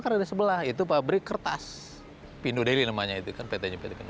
di sebelah itu pabrik kertas pindu deli namanya itu kan pt